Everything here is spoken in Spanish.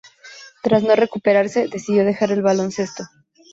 Tras no recuperarse, decidió dejar el baloncesto.